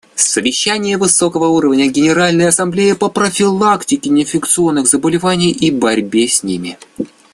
Совещание высокого уровня Генеральной Ассамблеи по профилактике неинфекционных заболеваний и борьбе с ними.